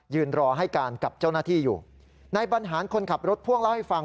รอให้การกับเจ้าหน้าที่อยู่นายบรรหารคนขับรถพ่วงเล่าให้ฟัง